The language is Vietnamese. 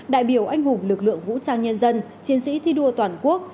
đại biểu anh hùng lực lượng vũ trang nhân dân chiến sĩ thi đua toàn quốc